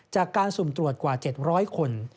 จากการสุ่มตรวจกว่า๗๐๐คน